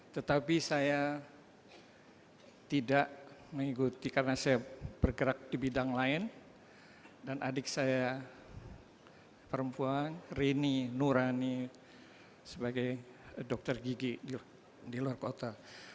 tetapi saya tidak mengikuti karena saya bergerak di bidang lain dan adik saya perempuan rini nurani sebagai dokter gigi di luar kota